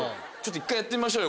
１回やってみましょうよ。